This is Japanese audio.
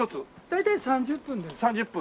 大体３０分です。